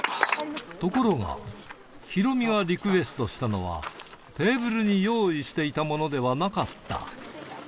ところが、ヒロミがリクエストしたのは、テーブルに用意していたものではなかった。